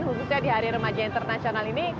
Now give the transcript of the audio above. khususnya di hari remaja internasional ini